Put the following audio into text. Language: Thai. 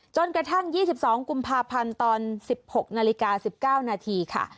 จนกระทั่ง๒๒กุมภาพันธ์ตอน๑๖น๑๙นค่ะ